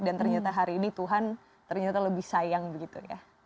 dan ternyata hari ini tuhan ternyata lebih sayang begitu ya